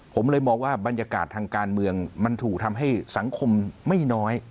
ผมเลยมองว่าบรรยากาศทางการเมืองมันถูกทำให้สังคมไม่น้อย